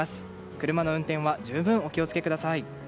車の運転は十分お気を付けください。